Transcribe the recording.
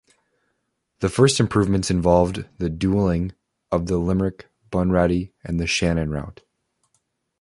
The first improvements involved the dualling of the Limerick, Bunratty and Shannon route.